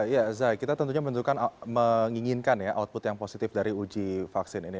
ya zai kita tentunya menentukan menginginkan ya output yang positif dari uji vaksin ini